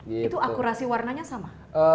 itu akurasi warnanya sama